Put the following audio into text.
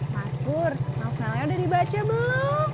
mas kur novelnya udah dibaca belum